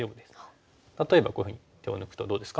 例えばこういうふうに手を抜くとどうですか？